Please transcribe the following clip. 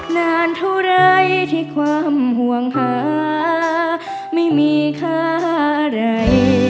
นานเท่าไรที่ความห่วงหาไม่มีค่าอะไร